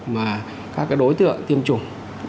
mà các đối tượng tiêm chủng